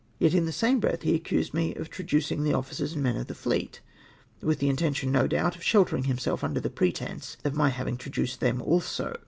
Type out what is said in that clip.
Yet In the same breath he accused me of traducing the officers and men of the fleet ; with the Intention, no doubt, of sheltering himself under the pretence of my having traduced them also.